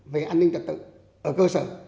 về an ninh tật tự ở cơ sở